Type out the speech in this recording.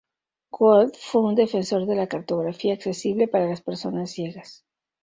Gall fue un defensor de la cartografía accesible para las personas ciegas.